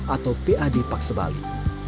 atau pad paksebali